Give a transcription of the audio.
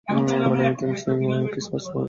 মানে আমি থ্যাংকসগিভিং এবং ক্রিসমাস উদযাপন করবো।